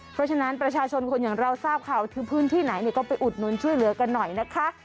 เพราะฉะนั้นประชาชนคนอย่างเราทราบข่าวคือพื้นที่ไหนก็ไปอุดหนุนช่วยเหลือกันหน่อยนะคะ